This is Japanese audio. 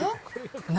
何？